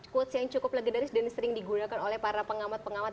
quotes yang cukup legendaris dan sering digunakan oleh para pengamat pengamat